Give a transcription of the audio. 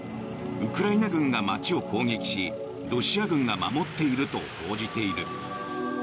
ウクライナ軍が街を攻撃しロシア軍が守っていると報じている。